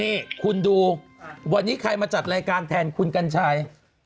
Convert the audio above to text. นี่คุณดูวันนี้ใครมาจัดรายการแทนคุณกัญชัย